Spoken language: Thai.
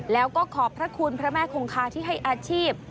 แล้วก็ขอบพระคุณพระแม่คงคาที่ให้อาชีพ